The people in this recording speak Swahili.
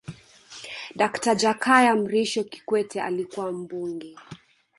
dakta jakaya mrisho kikwete alikuwa mbunge